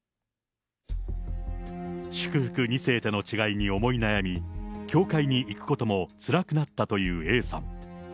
祝福２世との違いに思い悩み、教会に行くこともつらくなったというＡさん。